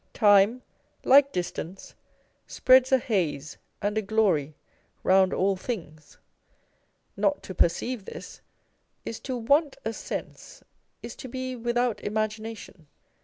Time, like distance, spreads a haze and a glory round all things. Not to perceive this is to want a sense, is to be without imagination.